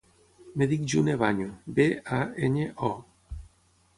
Em dic June Baño: be, a, enya, o.